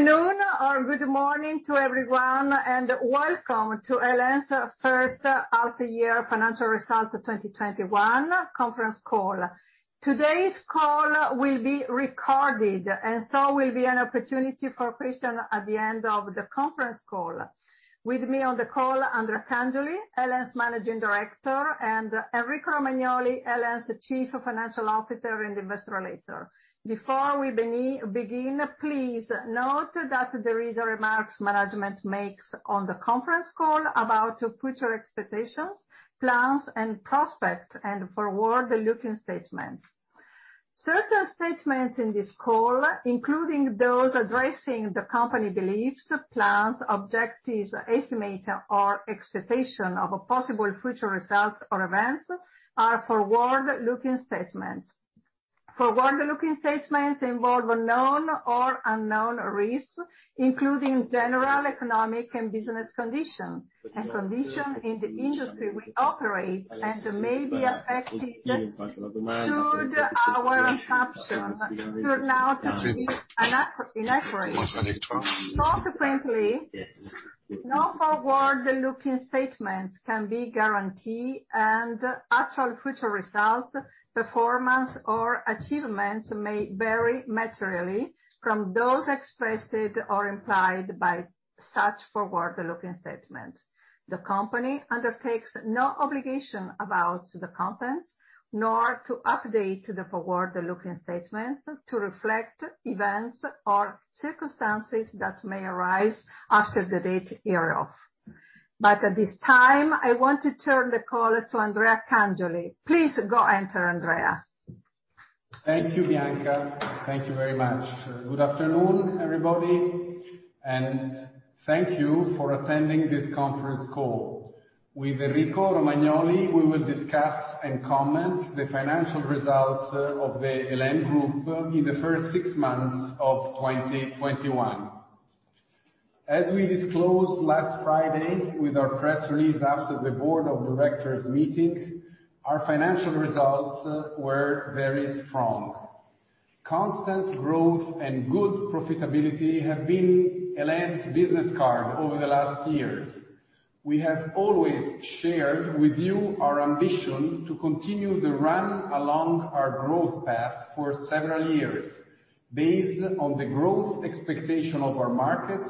Good afternoon or good morning to everyone, and welcome to EL.En.'s H1 2021 financial results conference call. Today's call will be recorded and so will be an opportunity for questions at the end of the conference call. With me on the call, Andrea Cangioli, EL.En.'s Managing Director, and Enrico Romagnoli, EL.En.'s Chief Financial Officer and Investor Relations Manager. Before we begin, please note that there are remarks management makes on the conference call about future expectations, plans, and prospects, and forward-looking statements. Certain statements in this call, including those addressing the company beliefs, plans, objectives, estimates, or expectations of a possible future results or events, are forward-looking statements. Forward-looking statements involve known or unknown risks, including general economic and business conditions, and conditions in the industry we operate, and may be affected should our assumptions turn out to be inaccurate. Subsequently, no forward-looking statements can be guaranteed, and actual future results, performance, or achievements may vary materially from those expressed or implied by such forward-looking statements. The company undertakes no obligation about the content, nor to update the forward-looking statements to reflect events or circumstances that may arise after the date hereof. At this time, I want to turn the call to Andrea Cangioli. Please go ahead, Andrea. Thank you, Bianca. Thank you very much. Good afternoon, everybody. Thank you for attending this conference call. With Enrico Romagnoli, we will discuss and comment the financial results of the El.En. Group in the first six months of 2021. As we disclosed last Friday with our press release after the board of directors meeting, our financial results were very strong. Constant growth and good profitability have been El.En.'s business card over the last years. We have always shared with you our ambition to continue the run along our growth path for several years, based on the growth expectation of our markets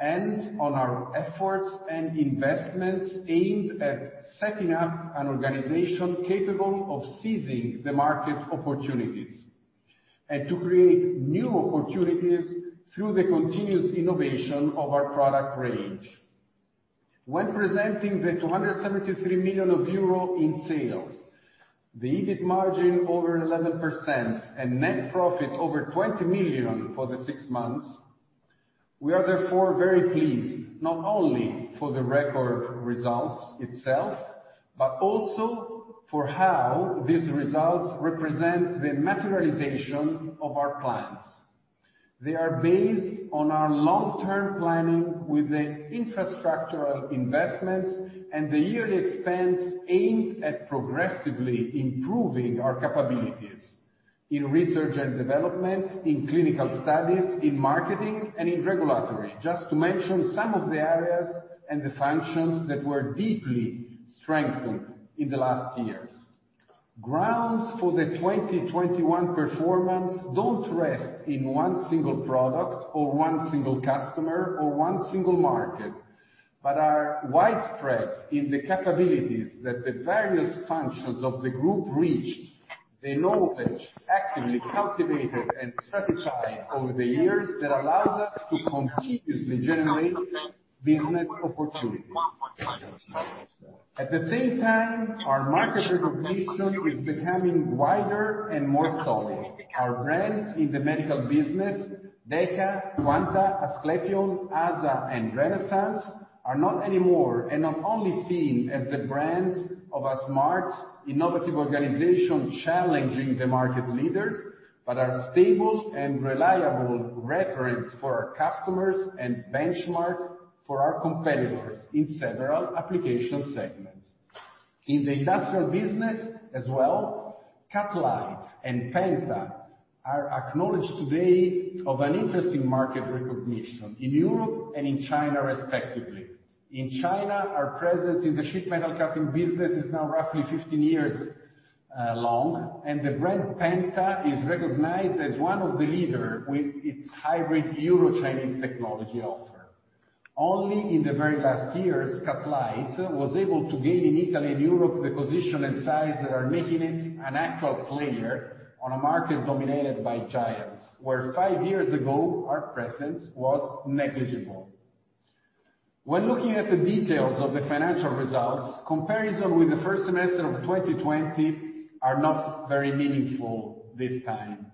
and on our efforts and investments aimed at setting up an organization capable of seizing the market opportunities, and to create new opportunities through the continuous innovation of our product range. When presenting the 273 million euro in sales, the EBIT margin over 11%, and net profit over 20 million for the six months, we are very pleased, not only for the record results itself, but also for how these results represent the materialization of our plans. They are based on our long-term planning with the infrastructural investments and the yearly expense aimed at progressively improving our capabilities in research and development, in clinical studies, in marketing, and in regulatory, just to mention some of the areas and the functions that were deeply strengthened in the last years. Grounds for the 2021 performance don't rest in one single product, or one single customer, or one single market, but are widespread in the capabilities that the various functions of the group reached, the knowledge actively cultivated and strategized over the years that allows us to continuously generate business opportunities. At the same time, our market recognition is becoming wider and more solid. Our brands in the medical business, DEKA, Quanta, Asclepion, ASA, and Renaissance, are not anymore and not only seen as the brands of a smart, innovative organization challenging the market leaders, but are stable and reliable reference for our customers and benchmark for our competitors in several application segments. In the industrial business as well, Cutlite and Penta are acknowledged today of an interesting market recognition in Europe and in China, respectively. In China, our presence in the sheet metal cutting business is now roughly 15 years long, and the brand Penta is recognized as one of the leader with its hybrid Euro-Chinese technology offer. Only in the very last years, Cutlite was able to gain in Italy and Europe the position and size that are making it an actual player on a market dominated by giants, where five years ago, our presence was negligible. When looking at the details of the financial results, comparison with the first semester of 2020 are not very meaningful this time.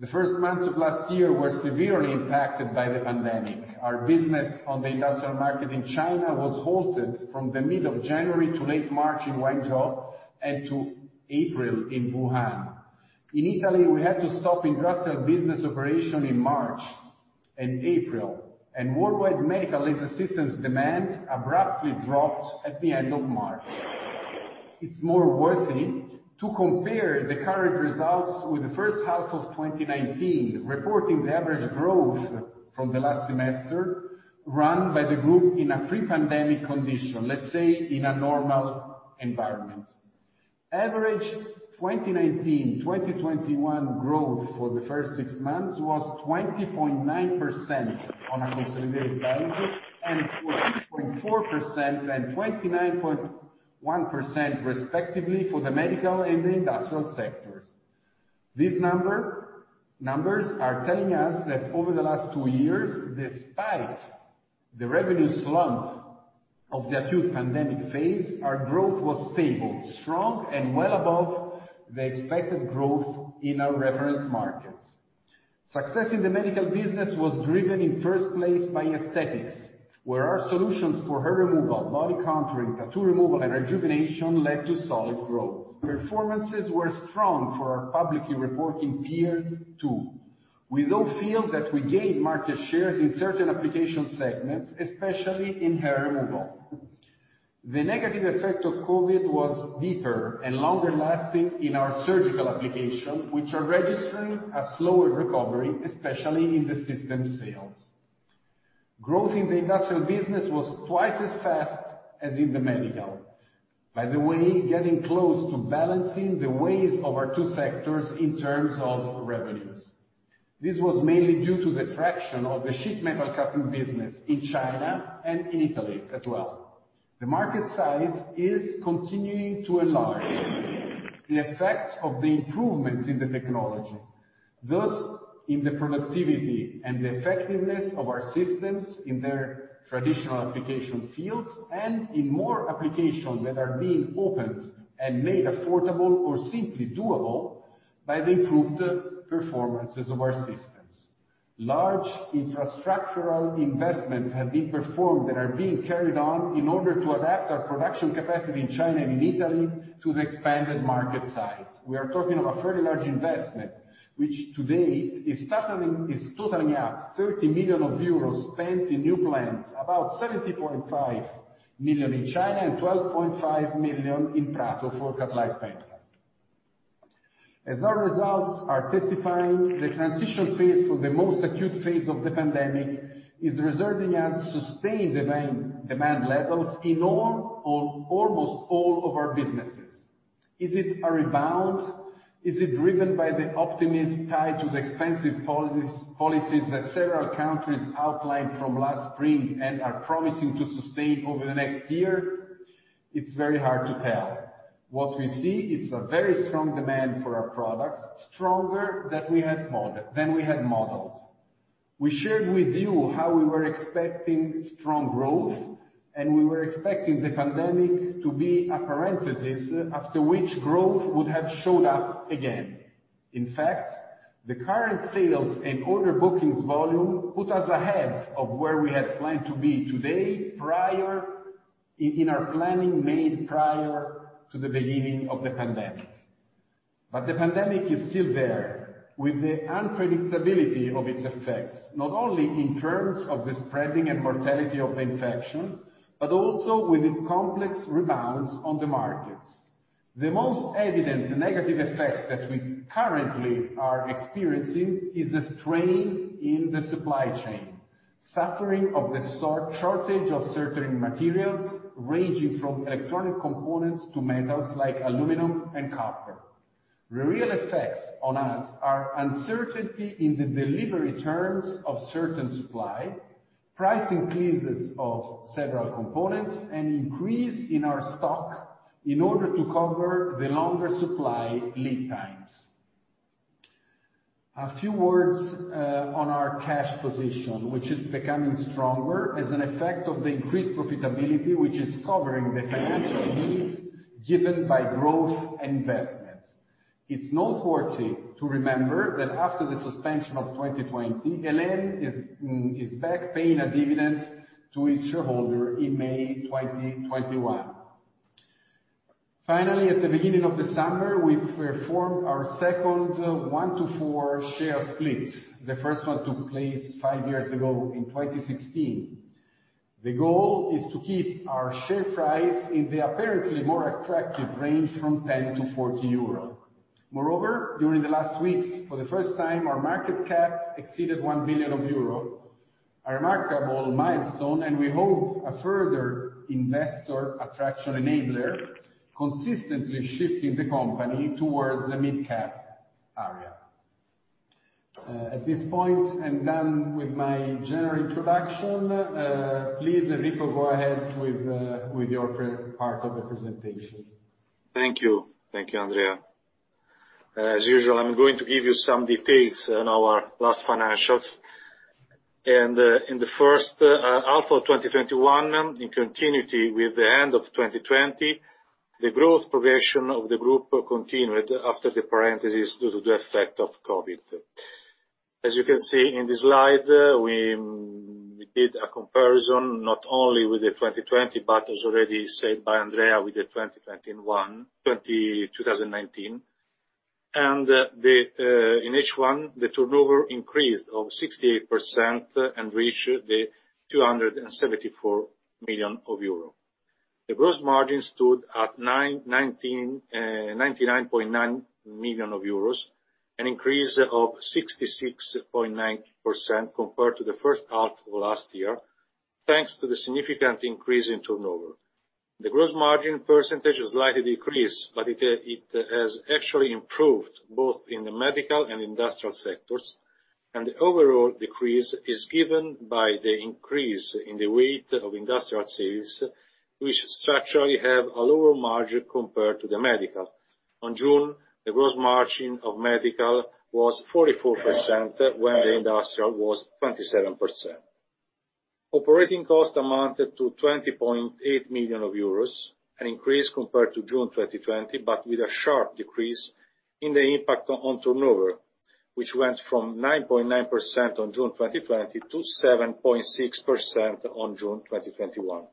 The first months of last year were severely impacted by the pandemic. Our business on the industrial market in China was halted from the middle of January to late March in Guangzhou and to April in Wuhan. In Italy, we had to stop industrial business operation in March and April, and worldwide medical laser systems demand abruptly dropped at the end of March. It's more worthy to compare the current results with the first half of 2019, reporting the average growth from the last semester run by the group in a pre-pandemic condition, let's say in a normal environment. Average 2019/2021 growth for the first six months was 20.9% on a consolidated basis, and 14.4% and 29.1% respectively for the medical and the industrial sectors. These numbers are telling us that over the last two years, despite the revenue slump of the acute pandemic phase, our growth was stable, strong, and well above the expected growth in our reference markets. Success in the medical business was driven in first place by aesthetics, where our solutions for hair removal, body contouring, tattoo removal, and rejuvenation led to solid growth. Performances were strong for our publicly reporting peers, too. We do feel that we gained market shares in certain application segments, especially in hair removal. The negative effect of COVID was deeper and longer lasting in our surgical application, which are registering a slower recovery, especially in the system sales. Growth in the industrial business was twice as fast as in the medical. By the way, getting close to balancing the ways of our two sectors in terms of revenues. This was mainly due to the traction of the sheet metal cutting business in China and in Italy as well. The market size is continuing to enlarge. The effects of the improvements in the technology, thus in the productivity and the effectiveness of our systems in their traditional application fields and in more applications that are being opened and made affordable or simply doable by the improved performances of our systems. Large infrastructural investments have been performed and are being carried on in order to adapt our production capacity in China and in Italy to the expanded market size. We are talking of a fairly large investment, which to date is totaling up 30 million euros spent in new plants, about 17.5 million in China and 12.5 million in Prato for Cutlite Penta. As our results are testifying, the transition phase for the most acute phase of the pandemic is reserving us sustained demand levels in almost all of our businesses. Is it a rebound? Is it driven by the optimism tied to the expensive policies that several countries outlined from last spring and are promising to sustain over the next year? It's very hard to tell. What we see is a very strong demand for our products, stronger than we had modeled. We shared with you how we were expecting strong growth, we were expecting the pandemic to be a parenthesis after which growth would have showed up again. In fact, the current sales and order bookings volume put us ahead of where we had planned to be today in our planning made prior to the beginning of the pandemic. The pandemic is still there, with the unpredictability of its effects, not only in terms of the spreading and mortality of the infection, but also with the complex rebounds on the markets. The most evident negative effect that we currently are experiencing is the strain in the supply chain, suffering of the shortage of certain materials, ranging from electronic components to metals like aluminum and copper. The real effects on us are uncertainty in the delivery terms of certain supply, price increases of several components, and increase in our stock in order to cover the longer supply lead times. A few words on our cash position, which is becoming stronger as an effect of the increased profitability, which is covering the financial needs given by growth and investments. It is noteworthy to remember that after the suspension of 2020, EL.En. is back paying a dividend to its shareholder in May 2021. Finally, at the beginning of the summer, we performed our second one-to-four share split. The first one took place five years ago in 2016. The goal is to keep our share price in the apparently more attractive range from 10-40 euro. Moreover, during the last weeks, for the first time, our market cap exceeded 1 billion euro, a remarkable milestone, and we hope a further investor attraction enabler, consistently shifting the company towards the mid-cap area. At this point, I'm done with my general introduction. Please, Enrico, go ahead with your part of the presentation. Thank you. Thank you, Andrea. As usual, I'm going to give you some details on our last financials. In the first half of 2021, in continuity with the end of 2020, the growth progression of the group continued after the parenthesis due to the effect of COVID. As you can see in the slide, we did a comparison not only with the 2020, but as already said by Andrea, with the 2019. In H1, the turnover increased of 68% and reached 274 million euro. The gross margin stood at 99.9 million euros, an increase of 66.9% compared to the first half of last year, thanks to the significant increase in turnover. The gross margin percentage has slightly decreased, but it has actually improved both in the medical and industrial sectors, and the overall decrease is given by the increase in the weight of industrial sales, which structurally have a lower margin compared to the medical. On June, the gross margin of medical was 44%, when the industrial was 27%. Operating cost amounted to 20.8 million euros, an increase compared to June 2020, but with a sharp decrease in the impact on turnover, which went from 9.9% on June 2020 to 7.6% on June 2021.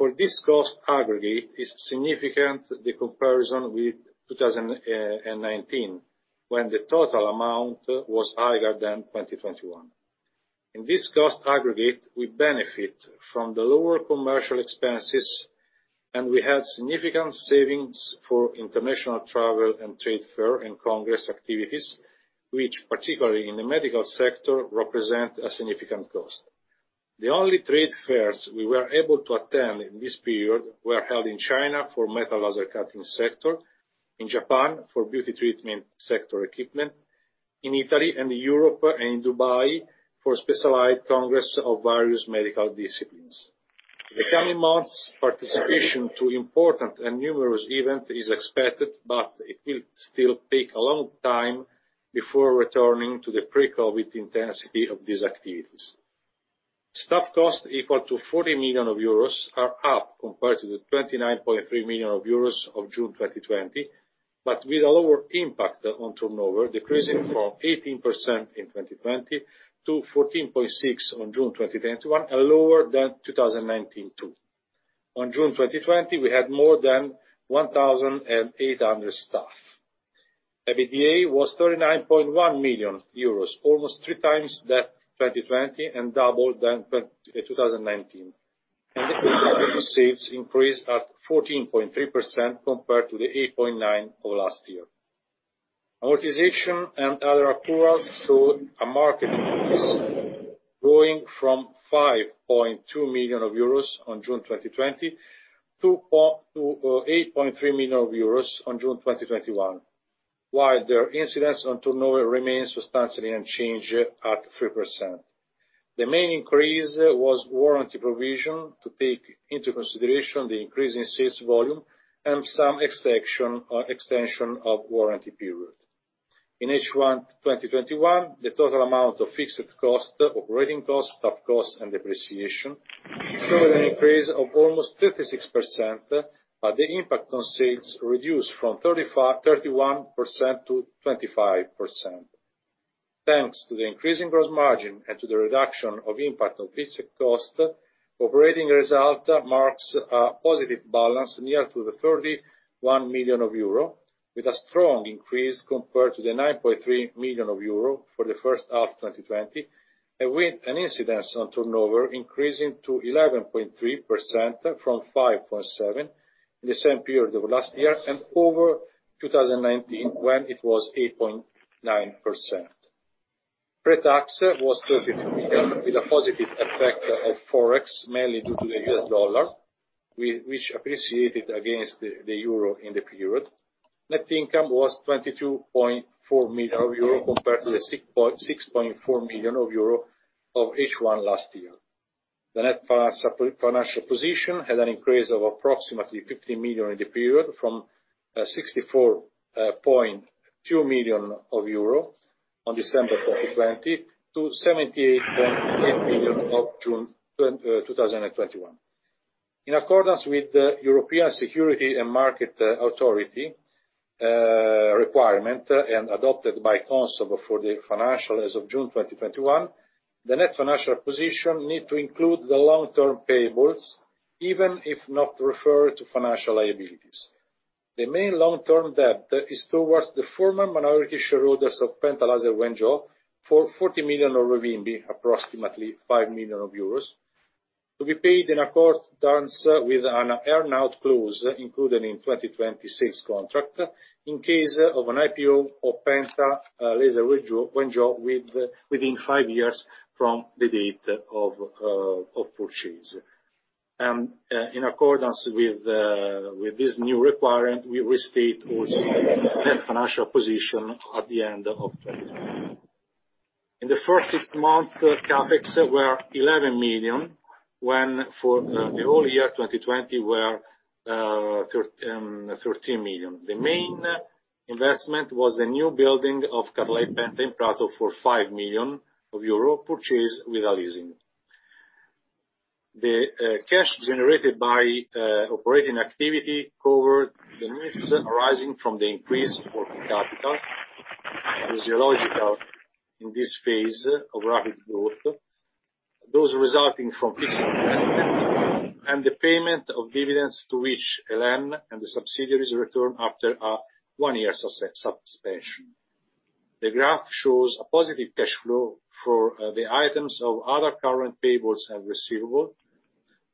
For this cost aggregate, it's significant the comparison with 2019, when the total amount was higher than 2021. In this cost aggregate, we benefit from the lower commercial expenses, and we had significant savings for international travel and trade fair and congress activities, which particularly in the medical sector represent a significant cost. The only trade fairs we were able to attend in this period were held in China for metal laser cutting sector, in Japan for beauty treatment sector equipment, in Italy and Europe, and in Dubai for specialized congress of various medical disciplines. In the coming months, participation to important and numerous events is expected. It will still take a long time before returning to the pre-COVID intensity of these activities. Staff costs equal to 40 million euros are up compared to the 29.3 million euros of June 2020, with a lower impact on turnover, decreasing from 18% in 2020 to 14.6% on June 2021, and lower than 2019 too. On June 2020, we had more than 1,800 staff. EBITDA was 39.1 million euros, almost three times that 2020 and double than 2019. The sales increased at 14.3% compared to the 8.9% of last year. Amortization and other accruals saw a marked increase, growing from 5.2 million euros on June 2020 to 8.3 million euros on June 2021, while their incidence on turnover remains substantially unchanged at 3%. The main increase was warranty provision to take into consideration the increase in sales volume and some extension of warranty period. In H1 2021, the total amount of fixed cost, operating cost, staff cost, and depreciation saw an increase of almost 36%, but the impact on sales reduced from 31%-25%. Thanks to the increasing gross margin and to the reduction of impact on fixed cost, operating result marks a positive balance near to the 31 million euro, with a strong increase compared to the 9.3 million euro for the first half 2020, and with an incidence on turnover increasing to 11.3% from 5.7% in the same period of last year and over 2019, when it was 8.9%. Pre-tax was 32 million with a positive effect of Forex, mainly due to the U.S. dollar, which appreciated against the euro in the period. Net income was 22.4 million euro compared to the 6.4 million euro of H1 last year. The net financial position had an increase of approximately 15 million in the period, from 64.2 million euro on December 2020 to 78.8 million of June 2021. In accordance with the European Securities and Markets Authority requirement and adopted by Consob before the financial as of June 2021, the net financial position need to include the long-term payables, even if not referred to financial liabilities. The main long-term debt is towards the former minority shareholders of Penta Laser Wenzhou for 40 million, approximately 5 million euros, to be paid in accordance with an earn-out clause included in 2020 sales contract in case of an IPO of Penta Laser Wenzhou within five years from the date of purchase. In accordance with this new requirement, we restate also the financial position at the end of 2020. In the first six months, CapEx were 11 million, when for the whole year 2020 were 13 million. The main investment was the new building of Cutlite Penta in Prato for 5 million euro, purchased with a leasing. The cash generated by operating activity covered the needs arising from the increase in working capital physiological in this phase of rapid growth, those resulting from fixed investment and the payment of dividends to which EL.En. and the subsidiaries return after a one-year suspension. The graph shows a positive cash flow for the items of other current payables and receivable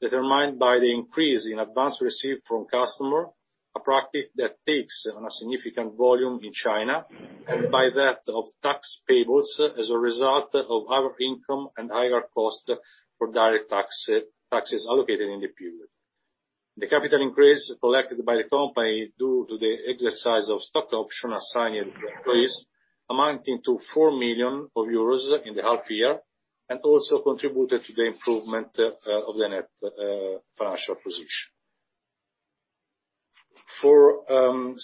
determined by the increase in advance received from customer, a practice that takes on a significant volume in China, and by that of tax payables as a result of our income and higher cost for direct taxes allocated in the period. The capital increase collected by the company due to the exercise of stock option assigned to employees amounting to 4 million euros in the half year, and also contributed to the improvement of the net financial position.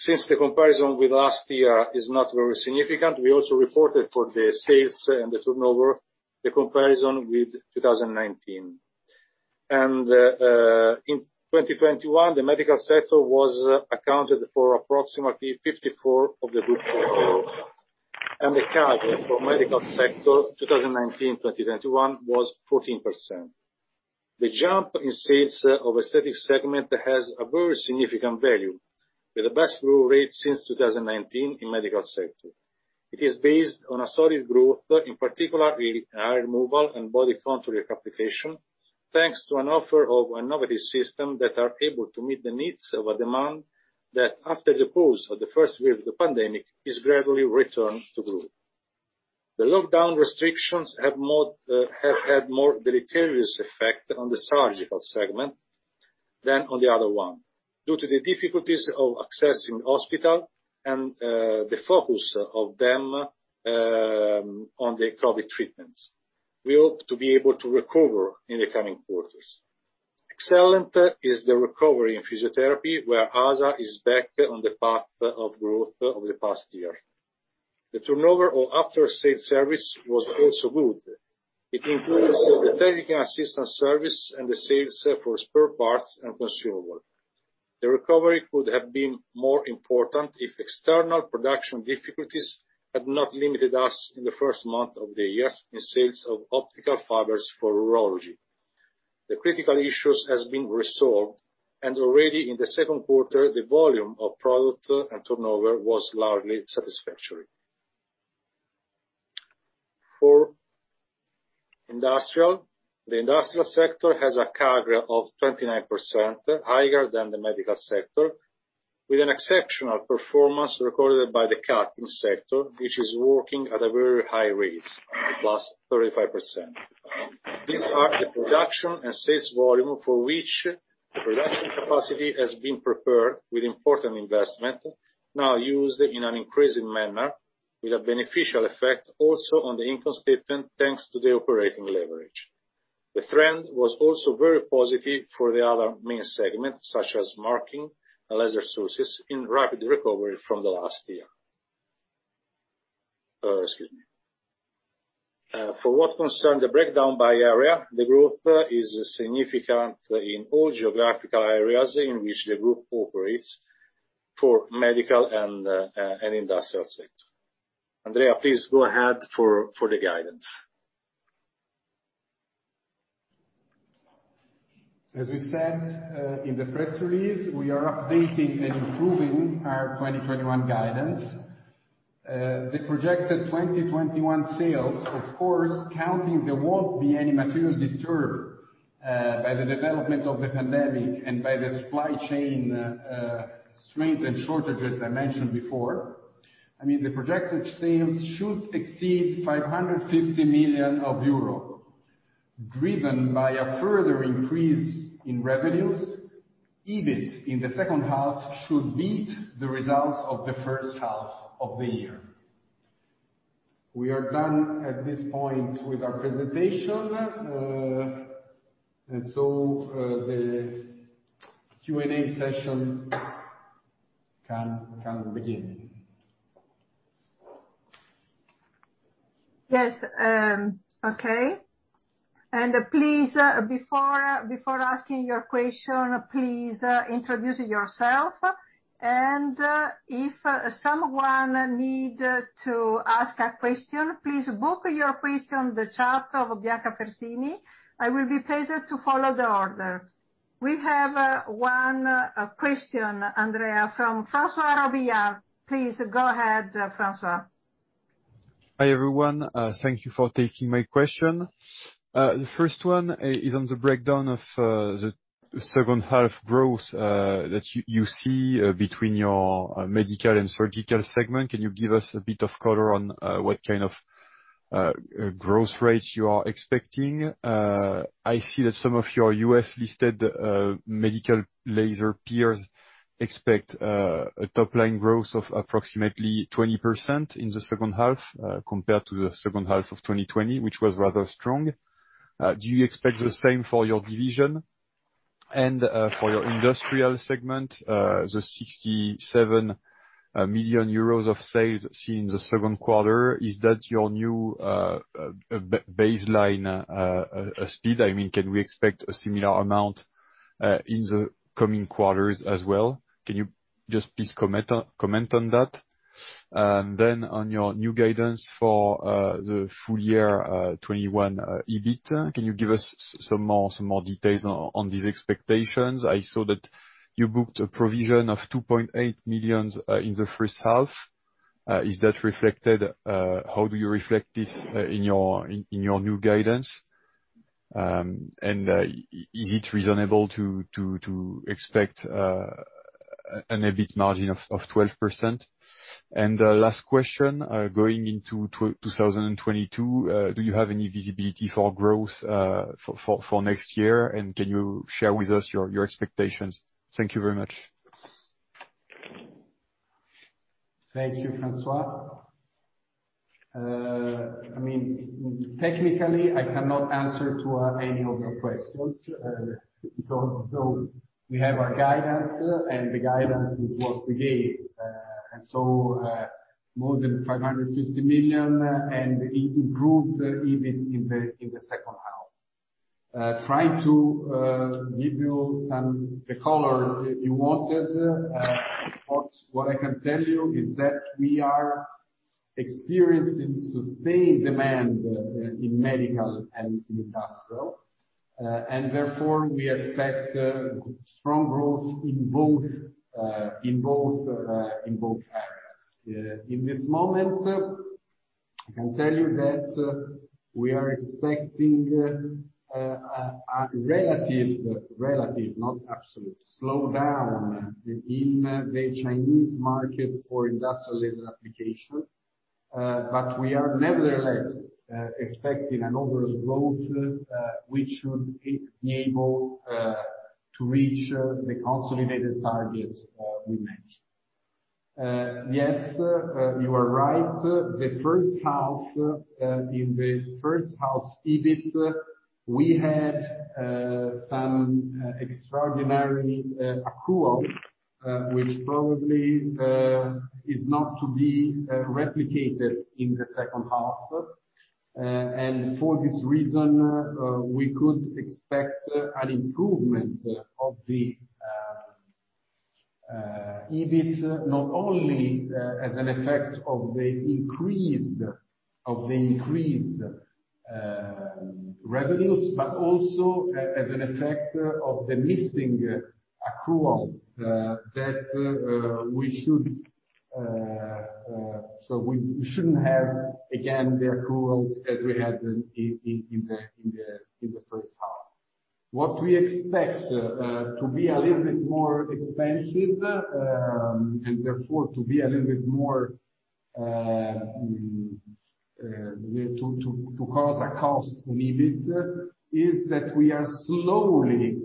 Since the comparison with last year is not very significant, we also reported for the sales and the turnover, the comparison with 2019. In 2021, the medical sector was accounted for approximately 54 of the group turnover. The CAGR for medical sector 2019/2021 was 14%. The jump in sales of aesthetic segment has a very significant value, with the best growth rate since 2019 in medical sector. It is based on a solid growth, in particular in hair removal and body contouring application, thanks to an offer of a novelty system that are able to meet the needs of a demand, that after the pause of the first wave of the pandemic, is gradually returned to growth. The lockdown restrictions have had more deleterious effect on the surgical segment than on the other one, due to the difficulties of accessing hospital and the focus of them on the COVID treatments. We hope to be able to recover in the coming quarters. Excellent is the recovery in physiotherapy, where ASA is back on the path of growth over the past year. The turnover of after-sale service was also good. It includes the technical assistance service and the sales for spare parts and consumable. The recovery could have been more important if external production difficulties had not limited us in the first month of the year in sales of optical fibers for urology. The critical issues has been resolved, and already in the second quarter, the volume of product and turnover was largely satisfactory. For industrial, the industrial sector has a CAGR of 29%, higher than the medical sector, with an exceptional performance recorded by the cutting sector, which is working at a very high rate, +35%. These are the production and sales volume for which the production capacity has been prepared with important investment now used in an increasing manner, with a beneficial effect also on the income statement, thanks to the operating leverage. The trend was also very positive for the other main segments, such as marking and laser sources in rapid recovery from the last year. Excuse me. For what concern the breakdown by area, the growth is significant in all geographical areas in which the group operates for medical and industrial sector. Andrea, please go ahead for the guidance. As we said, in the press release, we are updating and improving our 2021 guidance. The projected 2021 sales, of course, counting there won't be any material disturbed by the development of the pandemic and by the supply chain strains and shortages I mentioned before. The projected sales should exceed 550 million euro. Driven by a further increase in revenues, EBIT in the second half should beat the results of the first half of the year. We are done at this point with our presentation. The Q&A session can begin. Yes. Okay. Please, before asking your question, please introduce yourself. If someone need to ask a question, please book your question on the chat of Bianca Fersini. I will be pleased to follow the order. We have one question, Andrea, from François Digard. Please go ahead, François. Hi, everyone. Thank you for taking my question. The first one is on the breakdown of the second half growth that you see between your medical and surgical segment. Can you give us a bit of color on what kind of growth rates you are expecting? I see that some of your U.S.-listed medical laser peers expect a top-line growth of approximately 20% in the second half, compared to the second half of 2020, which was rather strong. Do you expect the same for your division? For your industrial segment, the 67 million euros of sales seen in the second quarter, is that your new baseline speed? Can we expect a similar amount in the coming quarters as well. Can you just please comment on that? On your new guidance for the full year 2021 EBIT, can you give us some more details on these expectations? I saw that you booked a provision of 2.8 million in the first half. How do you reflect this in your new guidance? Is it reasonable to expect an EBIT margin of 12%? Last question, going into 2022, do you have any visibility for growth for next year, and can you share with us your expectations? Thank you very much. Thank you, François. Technically, I cannot answer any of your questions because though we have our guidance, and the guidance is what we gave, and so more than 550 million and improved EBIT in the second half. Try to give you some color you wanted. What I can tell you is that we are experiencing sustained demand in medical and in industrial, and therefore we expect strong growth in both areas. In this moment, I can tell you that we are expecting a relative, not absolute, slowdown in the Chinese market for industrial laser application, but we are nevertheless expecting an overall growth, which should be able to reach the consolidated target we mentioned. Yes, you are right. In the first half EBIT, we had some extraordinary accrual, which probably is not to be replicated in the second half. For this reason, we could expect an improvement of the EBIT, not only as an effect of the increased revenues, but also as an effect of the missing accrual that we shouldn't have, again, the accruals as we had in the first half. What we expect to be a little bit more expensive, and therefore to cause a cost in EBIT, is that we are slowly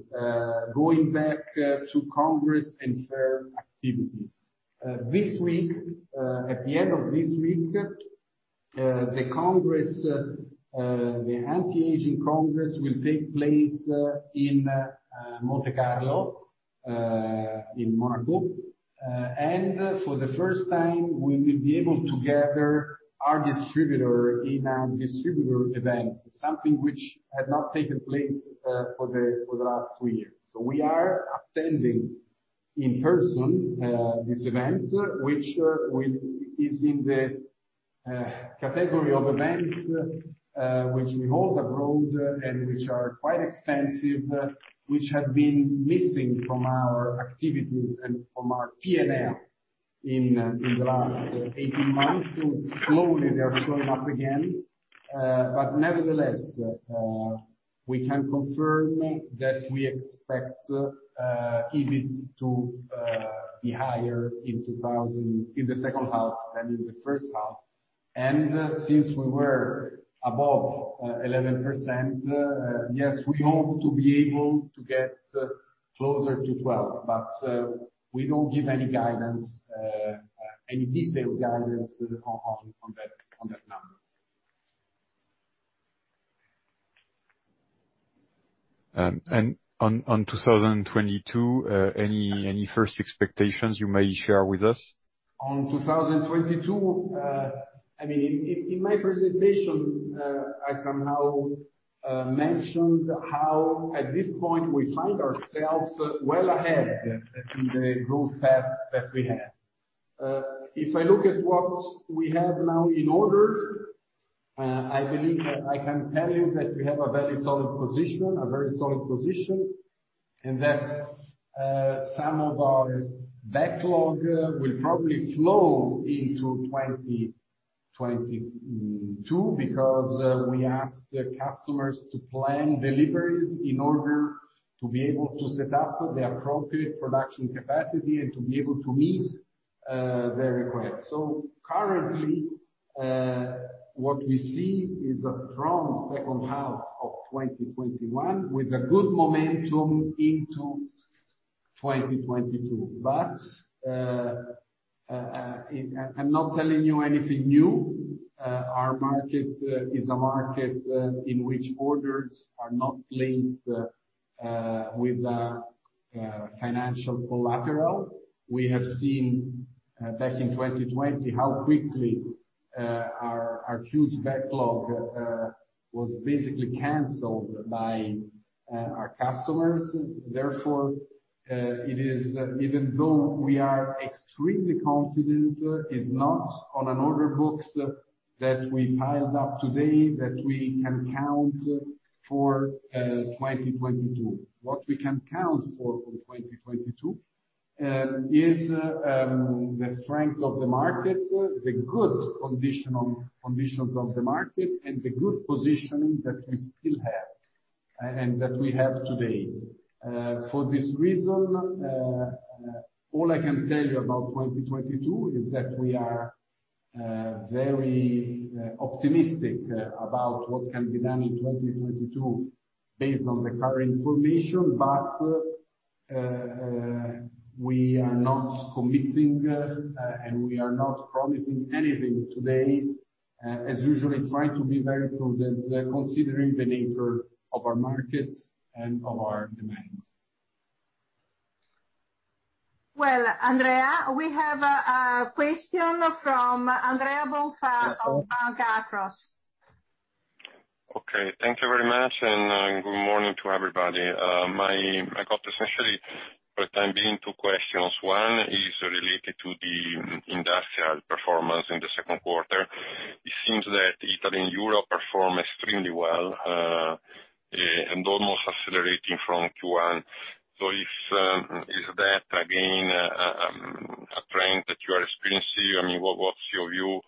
going back to congress and fair activity. At the end of this week, the anti-aging congress will take place in Monte Carlo, in Monaco. For the first time, we will be able to gather our distributor in a distributor event, something which had not taken place for the last two years. We are attending in person this event, which is in the category of events which we hold abroad and which are quite expensive, which had been missing from our activities and from our P&L in the last 18 months. Slowly they are showing up again. Nevertheless, we can confirm that we expect EBIT to be higher in the second half than in the first half. Since we were above 11%, yes, we hope to be able to get closer to 12%, but we don't give any detailed guidance on that number. On 2022, any first expectations you may share with us? On 2022, in my presentation, I somehow mentioned how at this point we find ourselves well ahead in the growth path that we had. If I look at what we have now in orders, I believe I can tell you that we have a very solid position, and that some of our backlog will probably flow into 2022, because we ask the customers to plan deliveries in order to be able to set up the appropriate production capacity and to be able to meet their requests. Currently, what we see is a strong second half of 2021 with a good momentum into 2022. I'm not telling you anything new. Our market is a market in which orders are not placed with a financial collateral. We have seen, back in 2020, how quickly our huge backlog was basically canceled by our customers. Therefore, even though we are extremely confident, it's not on an order book that we piled up today that we can count for 2022. What we can count for 2022 is the strength of the market, the good conditions of the market, and the good positioning that we still have and that we have today. For this reason, all I can tell you about 2022 is that we are very optimistic about what can be done in 2022 based on the current information. We are not committing, and we are not promising anything today, as usually trying to be very prudent, considering the nature of our markets and of our demands. Well, Andrea, we have a question from Andrea Bonfà of Banca Akros. Okay. Thank you very much, and good morning to everybody. I got especially, for the time being, two questions. One is related to the industrial performance in the second quarter. It seems that Italy and Europe perform extremely well, and almost accelerating from Q1. Is that again a trend that you are experiencing? What's your view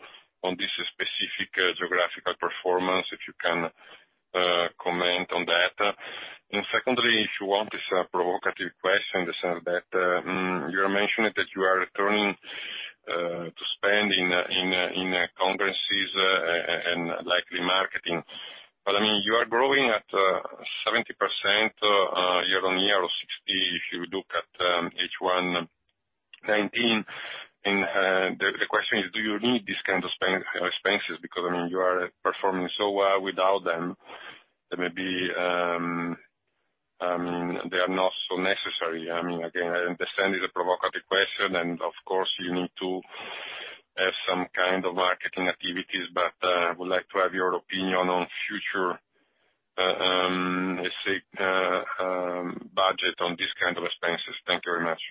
on this specific geographical performance, if you can comment on that? Secondly, if you want, it's a provocative question. You are mentioning that you are returning to spending in conferences and likely marketing. You are growing at 70% year-on-year, or 60% if you look at H1 2019, and the question is, do you need these kinds of expenses? Because you are performing so well without them, that maybe they are not so necessary. I understand it's a provocative question, and of course, you need to have some kind of marketing activities, but I would like to have your opinion on future budget on these kind of expenses. Thank you very much.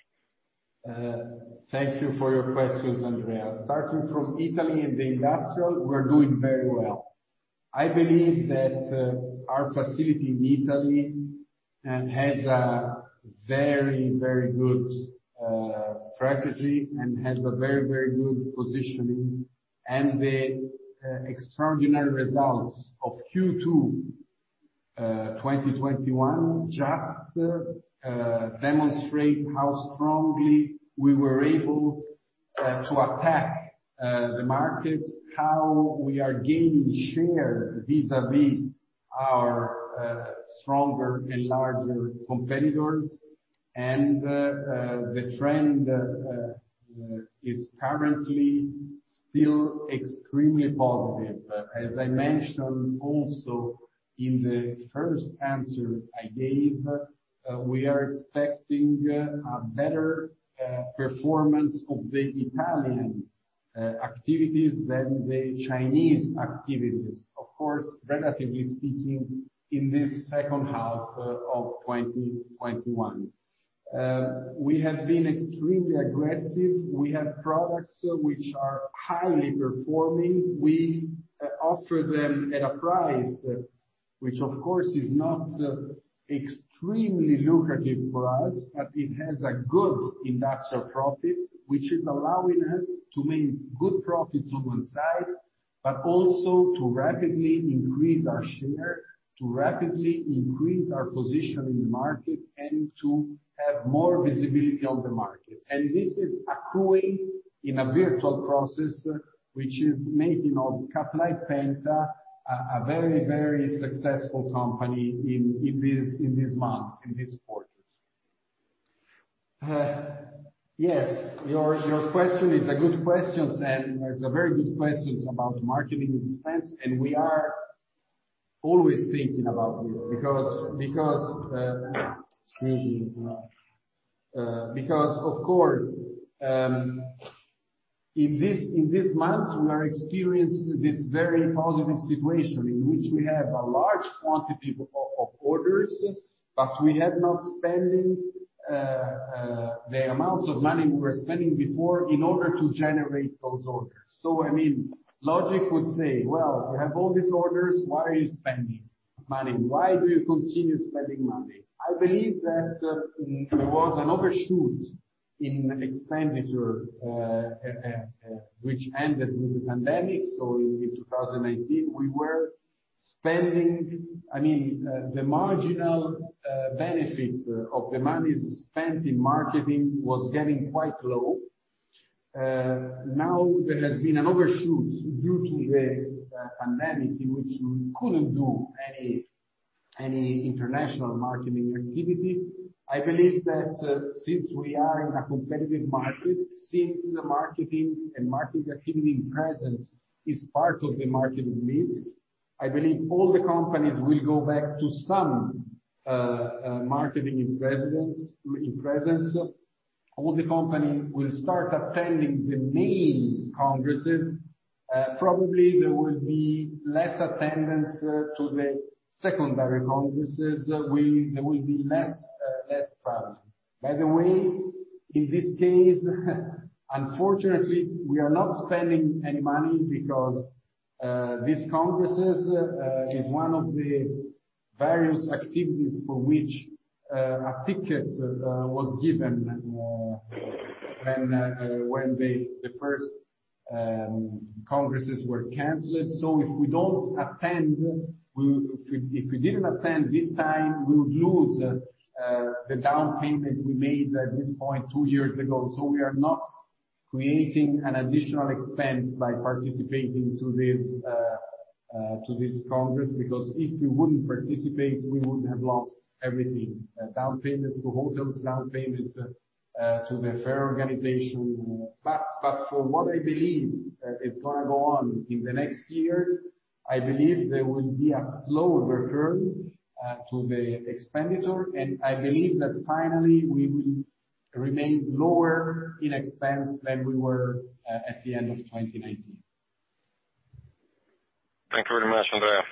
Thank you for your questions, Andrea. Starting from Italy and the industrial, we're doing very well. I believe that our facility in Italy has a very, very good strategy and has a very, very good positioning. The extraordinary results of Q2 2021 just demonstrate how strongly we were able to attack the markets, how we are gaining shares vis-a-vis our stronger and larger competitors, and the trend is currently still extremely positive. As I mentioned also in the first answer I gave, we are expecting a better performance of the Italian activities than the Chinese activities, of course, relatively speaking, in this second half of 2021. We have been extremely aggressive. We have products which are highly performing. We offer them at a price which, of course, is not extremely lucrative for us, but it has a good industrial profit, which is allowing us to make good profits on one side, but also to rapidly increase our share, to rapidly increase our position in the market, and to have more visibility on the market. This is accruing in a virtuous process, which is making Cutlite Penta a very, very successful company in these months, in these quarters. Yes, your question is a good question, it's a very good question about marketing expense, we are always thinking about this. Excuse me. Of course, in these months, we are experiencing this very positive situation in which we have a large quantity of orders, but we have not spending the amounts of money we were spending before in order to generate those orders. Logic would say, "Well, you have all these orders. Why are you spending money? Why do you continue spending money?" I believe that there was an overshoot in expenditure, which ended with the pandemic. In 2019, the marginal benefit of the monies spent in marketing was getting quite low. There has been an overshoot due to the pandemic, in which we couldn't do any international marketing activity. I believe that since we are in a competitive market, since marketing and marketing activity presence is part of the marketing mix, I believe all the companies will go back to some marketing in presence. All the company will start attending the main congresses. Probably, there will be less attendance to the secondary congresses. There will be less travel. By the way, in this case unfortunately, we are not spending any money because these congresses is one of the various activities for which a ticket was given when the first congresses were canceled. If we didn't attend this time, we would lose the down payment we made at this point two years ago. We are not creating an additional expense by participating to this congress because if we wouldn't participate, we would have lost everything, down payments to hotels, down payments to the fair organization. For what I believe is going to go on in the next years, I believe there will be a slow return to the expenditure, and I believe that finally we will remain lower in expense than we were at the end of 2019. Thank you very much, Andrea.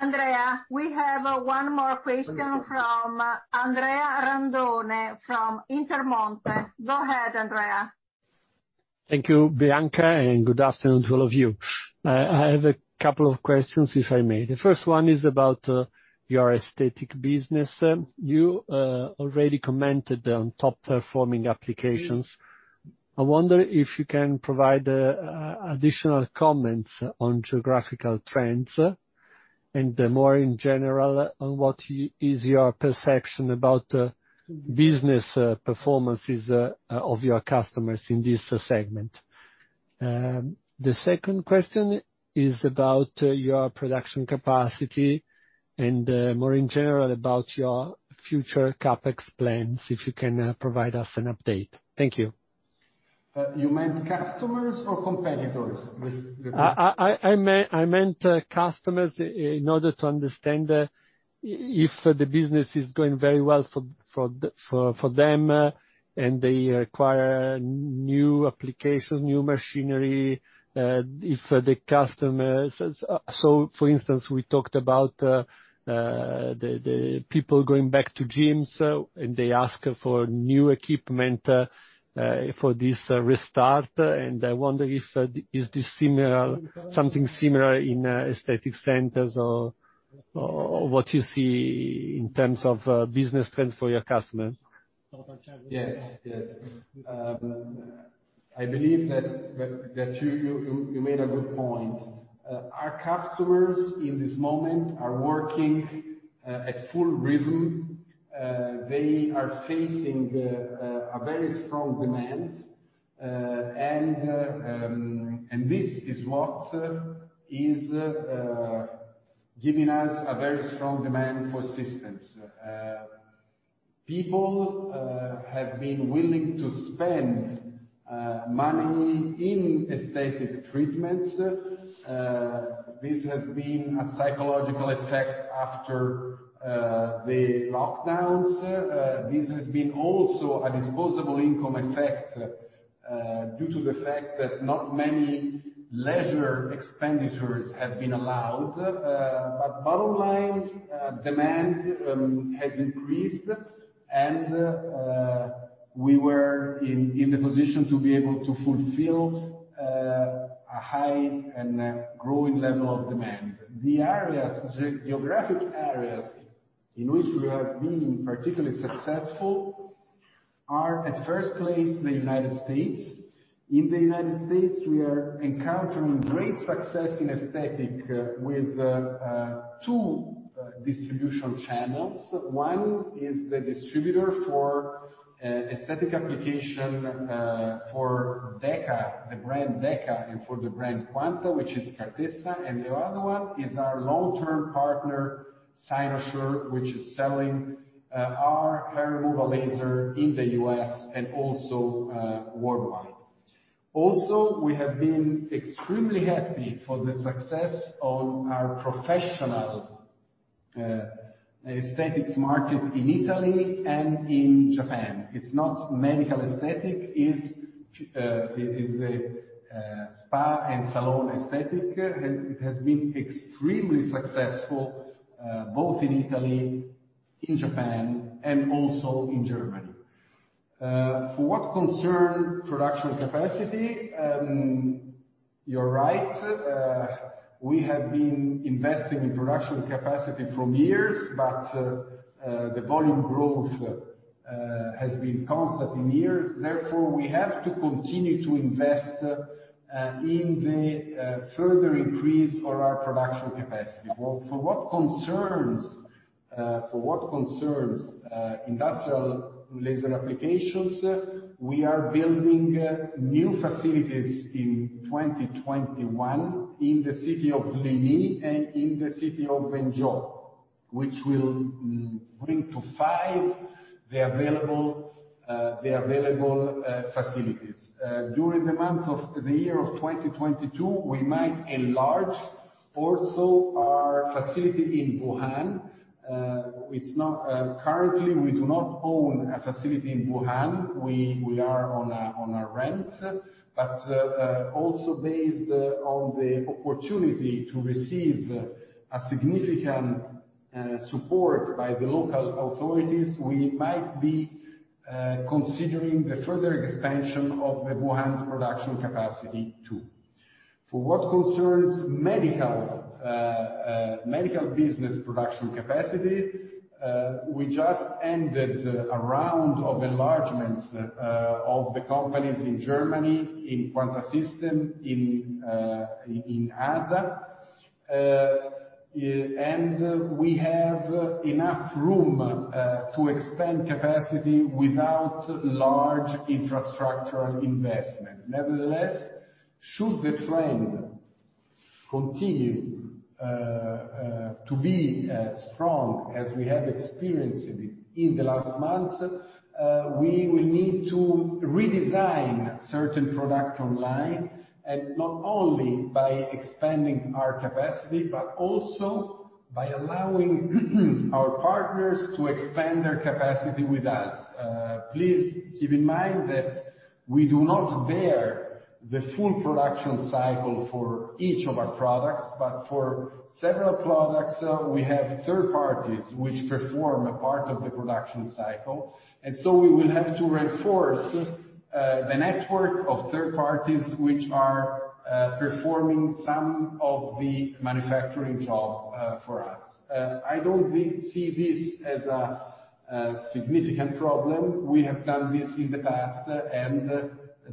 Andrea, we have one more question from Andrea Randone from Intermonte. Go ahead, Andrea. Thank you, Bianca. Good afternoon to all of you. I have a couple of questions, if I may. The first one is about your aesthetic business. You already commented on top-performing applications. I wonder if you can provide additional comments on geographical trends, and more in general, on what is your perception about business performances of your customers in this segment. The second question is about your production capacity and, more in general, about your future CapEx plans, if you can provide us an update. Thank you. You meant customers or competitors? I meant customers in order to understand if the business is going very well for them, and they require new application, new machinery. For instance, we talked about the people going back to gyms, and they ask for new equipment, for this restart, and I wonder is this something similar in aesthetic centers, or what you see in terms of business trends for your customers? I believe that you made a good point. Our customers in this moment are working at full rhythm. They are facing a very strong demand. This is what is giving us a very strong demand for systems. People have been willing to spend money in aesthetic treatments. This has been a psychological effect after the lockdowns. This has been also a disposable income effect, due to the fact that not many leisure expenditures have been allowed. Bottom line, demand has increased and we were in the position to be able to fulfill a high and growing level of demand. The geographic areas in which we have been particularly successful are, at first place, the United states. In the United States, we are encountering great success in aesthetic with two distribution channels. One is the distributor for aesthetic application for the brand DEKA and for the brand Quanta, which is Cartessa, and the other one is our long-term partner, Cynosure, which is selling our hair removal laser in the U.S. and also worldwide. We have been extremely happy for the success on our professional aesthetics market in Italy and in Japan. It's not medical aesthetic, it's the spa and salon aesthetic, and it has been extremely successful, both in Italy, in Japan, and also in Germany. For what concern production capacity, you're right. We have been investing in production capacity from years, but the volume growth has been constant in years. We have to continue to invest in the further increase of our production capacity. For what concerns industrial laser applications, we are building new facilities in 2021 in the city of Lianjiang and in the city of Wenzhou, which will bring to five, the available facilities. During the year of 2022, we might enlarge also our facility in Wuhan. Currently, we do not own a facility in Wuhan, we are on a rent. Also based on the opportunity to receive a significant support by the local authorities, we might be considering the further expansion of the Wuhan's production capacity, too. For what concerns medical business production capacity, we just ended a round of enlargements of the companies in Germany, in Quanta System, in ASA. We have enough room to expand capacity without large infrastructural investment. Should the trend continue to be as strong as we have experienced it in the last months, we will need to redesign certain product line, not only by expanding our capacity, but also by allowing our partners to expand their capacity with us. Please keep in mind that we do not bear the full production cycle for each of our products, but for several products, we have third parties which perform a part of the production cycle. We will have to reinforce the network of third parties which are performing some of the manufacturing job for us. I don't see this as a significant problem. We have done this in the past, and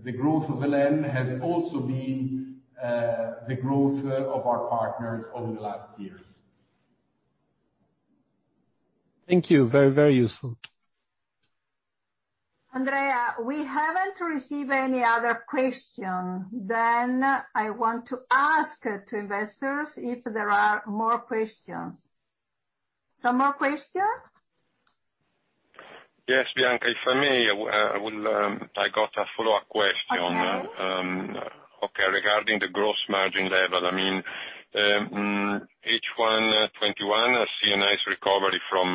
the growth of EL.En. has also been the growth of our partners over the last years. Thank you. Very useful. Andrea, we haven't received any other question. I want to ask to investors if there are more questions. Some more question? Yes, Bianca, if I may. I got a follow-up question. Okay. Okay, regarding the gross margin level. H1 2021, I see a nice recovery from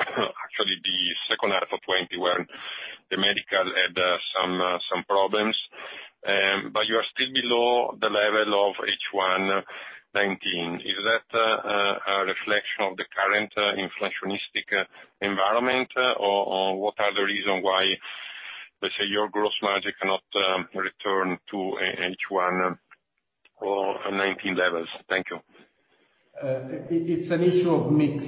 actually the second half of 2020, where the medical had some problems. You are still below the level of H1 2019. Is that a reflection of the current inflationistic environment? Or what are the reason why, let's say, your gross margin cannot return to H1 of 2019 levels? Thank you. It's an issue of mix.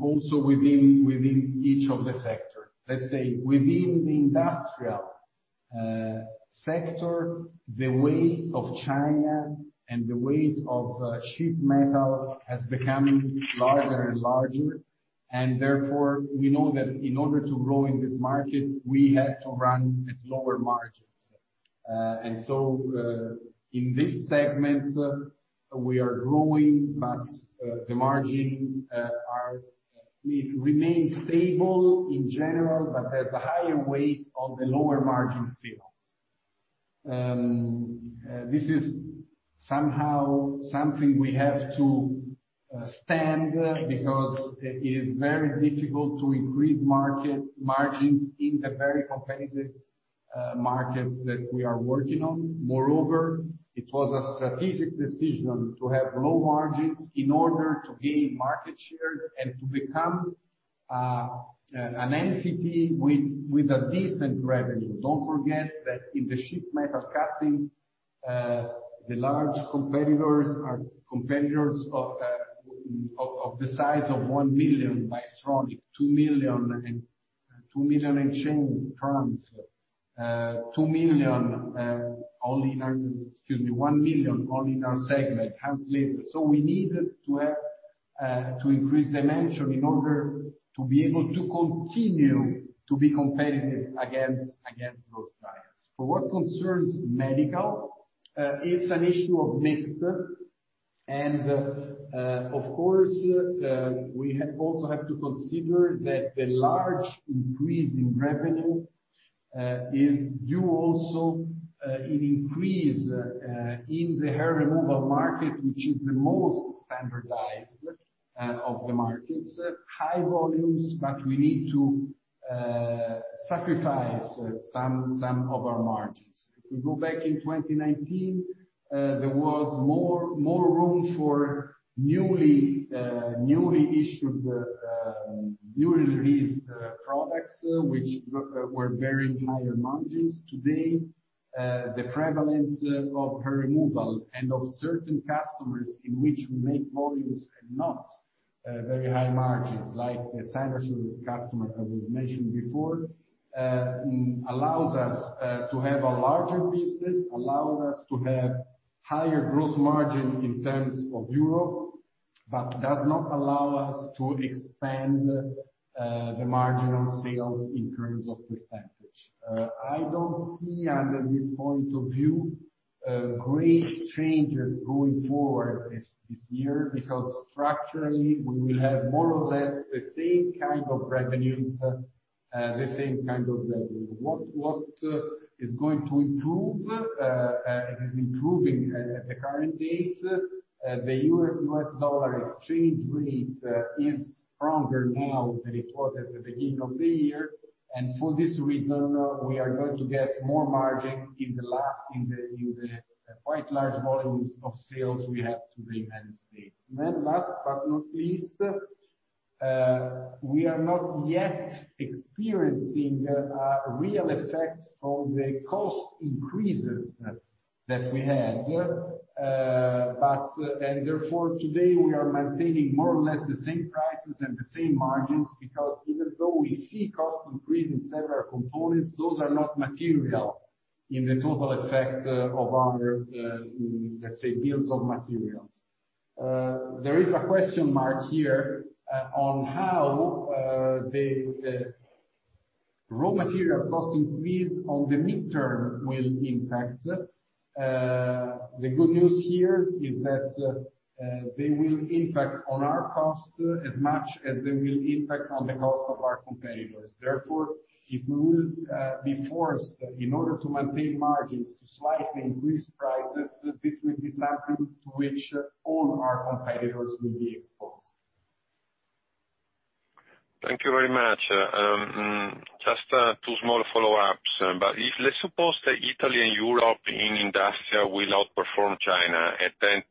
Also within each of the sector. Let's say, within the industrial sector, the weight of China and the weight of sheet metal has become larger and larger. Therefore, we know that in order to grow in this market, we have to run at lower margins. So, in this segment, we are growing, but the margin remains stable in general, but there's a higher weight on the lower margin sales. This is somehow something we have to stand, because it is very difficult to increase margins in the very competitive markets that we are working on. Moreover, it was a strategic decision to have low margins in order to gain market share and to become an entity with a decent revenue. Don't forget that in the sheet metal cutting, the large competitors are competitors of the size of 1 million, Bystronic, 2 million and change, TRUMPF. 2 million only, excuse me, 1 million only in our segment, Pennsylvania. We need to increase dimension in order to be able to continue to be competitive against those giants. For what concerns medical, it's an issue of mix. Of course, we also have to consider that the large increase in revenue is due also in increase in the hair removal market, which is the most standardized of the markets. High volumes, we need to sacrifice some of our margins. If we go back in 2019, there was more room for newly released products, which were bearing higher margins. Today, the prevalence of hair removal and of certain customers in which we make volumes and not very high margins, like the Cynosure customer that was mentioned before, allows us to have a larger business, allows us to have higher gross margin in terms of EUR. Does not allow us to expand the margin on sales in terms of percentage. I don't see under this point of view, great changes going forward this year, because structurally we will have more or less the same kind of revenues. What is going to improve, is improving at the current date. The U.S. dollar exchange rate is stronger now than it was at the beginning of the year. For this reason, we are going to get more margin in the quite large volumes of sales we have to the United States. Last but not least, we are not yet experiencing a real effect from the cost increases that we had. Today we are maintaining more or less the same prices and the same margins, because even though we see cost increase in several components, those are not material in the total effect of our, let's say, bills of materials. There is a question mark here on how the raw material cost increase on the midterm will impact. The good news here is that they will impact on our cost as much as they will impact on the cost of our competitors. If we will be forced, in order to maintain margins to slightly increase prices, this will be something to which all our competitors will be exposed. Thank you very much. Just two small follow-ups. If, let's suppose that Italy and Europe in industry will outperform China, and then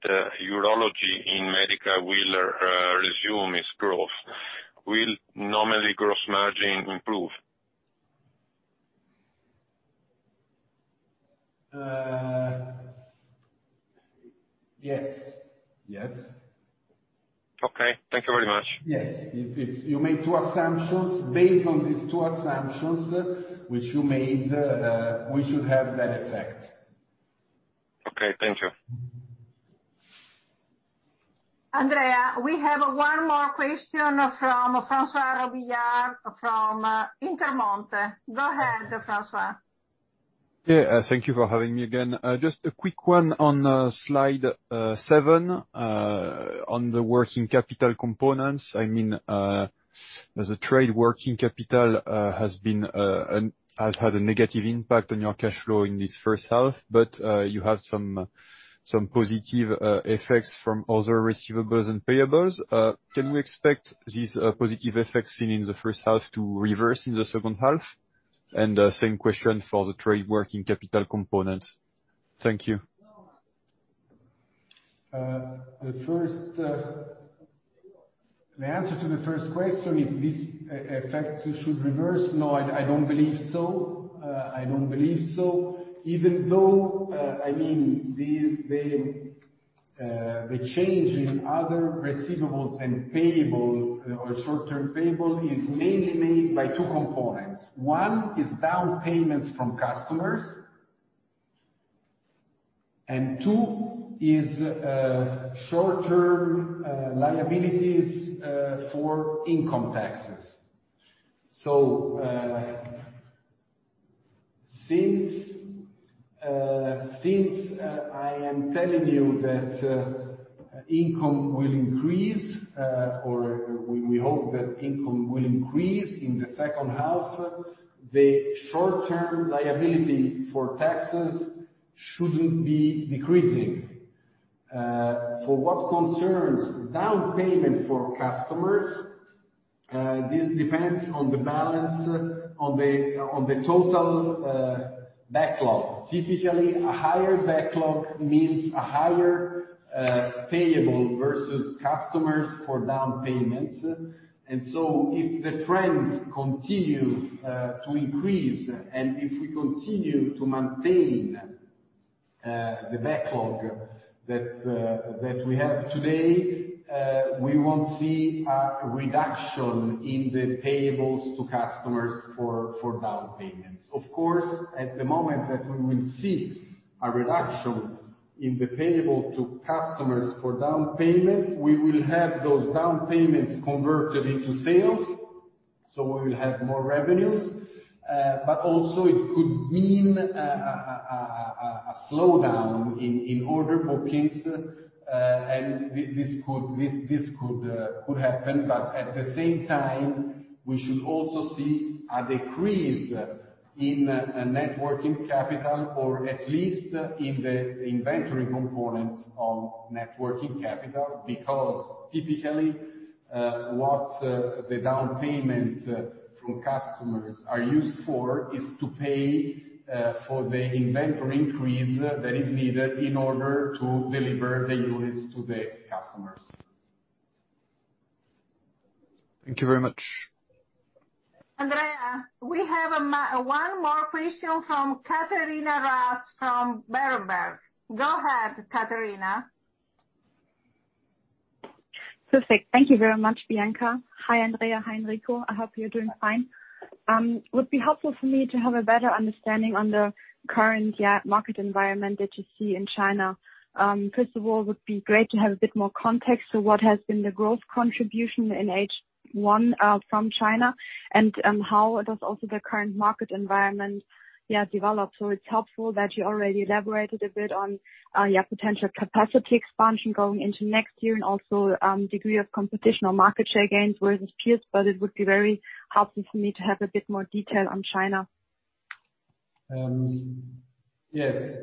urology in medical will resume its growth. Will normally gross margin improve? Yes. Okay. Thank you very much. Yes. You made two assumptions. Based on these two assumptions which you made, we should have that effect. Okay, thank you. Andrea, we have one more question from Francois Robillard from Intermonte. Go ahead, Francois. Thank you for having me again. Just a quick one on slide seven, on the working capital components. There's a trade working capital, has had a negative impact on your cash flow in this first half, but you have some positive effects from other receivables and payables. Can we expect these positive effects seen in the first half to reverse in the second half? Same question for the trade working capital components. Thank you. The answer to the first question, if this effect should reverse, no, I don't believe so. Even though, the change in other receivables and payable or short-term payable is mainly made by two components. One is down payments from customers, and two is short-term liabilities for income taxes. Since I am telling you that income will increase, or we hope that income will increase in the second half, the short-term liability for taxes shouldn't be decreasing. For what concerns down payment for customers, this depends on the balance on the total backlog. Typically, a higher backlog means a higher payable versus customers for down payments. If the trends continue to increase, and if we continue to maintain the backlog that we have today, we won't see a reduction in the payables to customers for down payments. Of course, at the moment that we will see a reduction in the payable to customers for down payment, we will have those down payments converted into sales, so we will have more revenues. Also it could mean a slowdown in order bookings. This could happen, but at the same time, we should also see a decrease in net working capital or at least in the inventory components of net working capital. Because typically, what the down payment from customers are used for, is to pay for the inventory increase that is needed in order to deliver the units to the customers. Thank you very much. Andrea, we have one more question from Katharina Raatz from Berenberg. Go ahead, Katharina. Perfect. Thank you very much, Bianca. Hi, Andrea. Hi, Enrico. I hope you're doing fine. It would be helpful for me to have a better understanding on the current market environment that you see in China. First of all, it would be great to have a bit more context to what has been the growth contribution in H1 from China, and how does also the current market environment develop? It's helpful that you already elaborated a bit on your potential capacity expansion going into next year and also degree of competitive market share gains versus peers, but it would be very helpful for me to have a bit more detail on China. Yes.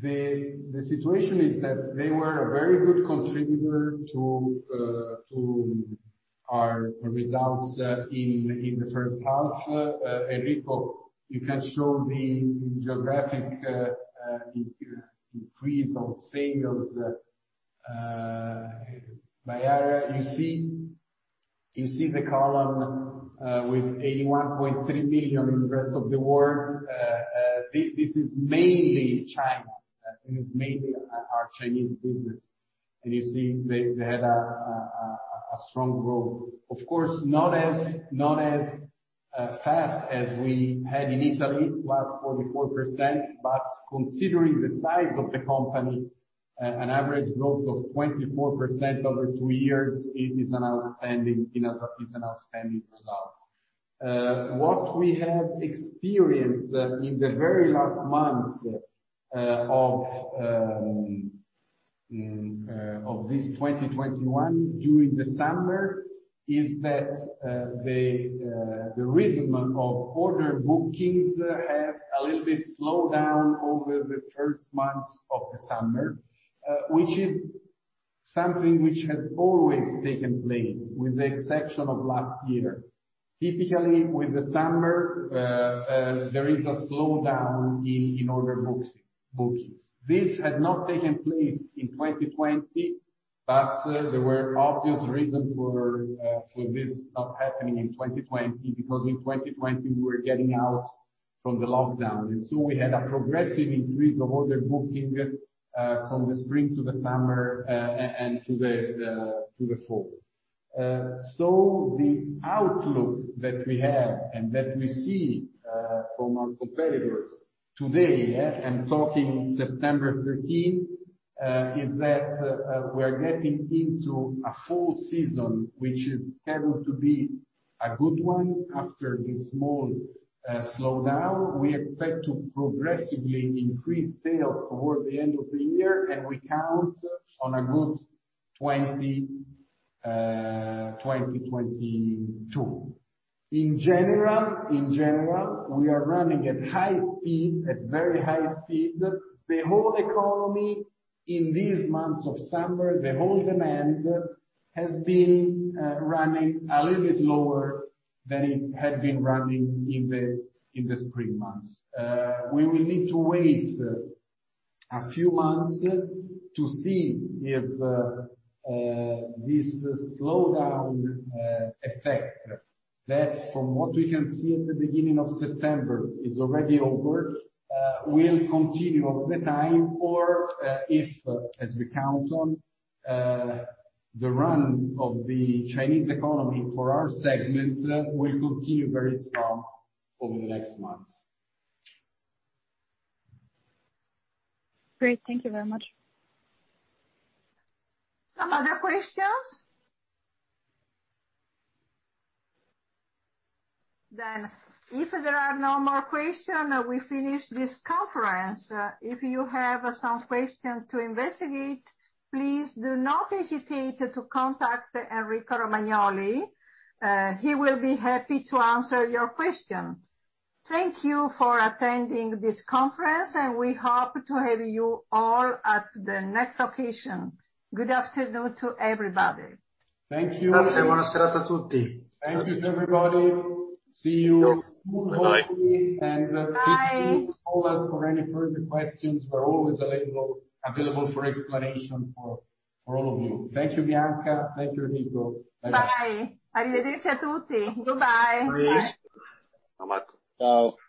The situation is that they were a very good contributor to our results in the first half. Enrico, you can show the geographic increase of sales by area. You see the column with 81.3 million in the rest of the world? This is mainly China. It is mainly our Chinese business. You see they had a strong growth. Of course, not as fast as we had initially. It was 44%, but considering the size of the company, an average growth of 24% over two years is an outstanding result. What we have experienced in the very last months of this 2021, during the summer, is that the rhythm of order bookings has a little bit slowed down over the first months of the summer, which is something which has always taken place, with the exception of last year. Typically, with the summer, there is a slowdown in order bookings. This had not taken place in 2020. There were obvious reasons for this not happening in 2020, because in 2020, we were getting out from the lockdown. We had a progressive increase of order booking from the spring to the summer and to the fall. The outlook that we have and that we see from our competitors today, I'm talking September 13, is that we are getting into a fall season, which is scheduled to be a good one after this small slowdown. We expect to progressively increase sales toward the end of the year, and we count on a good 2022. In general, we are running at very high speed. The whole economy in these months of summer, the whole demand has been running a little bit lower than it had been running in the spring months. We will need to wait a few months to see if this slowdown effect, that from what we can see at the beginning of September is already over, will continue over the time, or if, as we count on, the run of the Chinese economy for our segment will continue very strong over the next months. Great. Thank you very much. Some other questions? If there are no more questions, we finish this conference. If you have some questions to investigate, please do not hesitate to contact Enrico Romagnoli. He will be happy to answer your question. Thank you for attending this conference, and we hope to have you all at the next occasion. Good afternoon to everybody. Thank you. Thank you to everybody. See you soon, hopefully. Bye. Bye. If you call us for any further questions, we're always available for explanation for all of you. Thank you, Bianca Fersini. Thank you, Enrico. Bye. Goodbye. Bye.